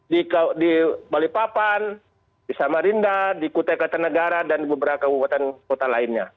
di balipapan di samarinda di kutai kata negara dan di beberapa kota lainnya